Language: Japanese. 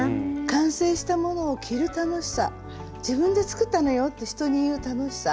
完成したものを着る楽しさ「自分で作ったのよ」って人に言う楽しさ。